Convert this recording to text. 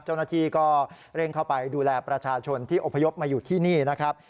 เจ้าหน้าที่ก็เร่งเข้าไปดูแลประชาชนที่อพยพมาอยู่ที่นี่นะครับ